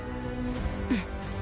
うん。